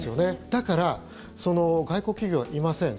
だから、外国企業はいません。